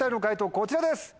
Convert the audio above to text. こちらです。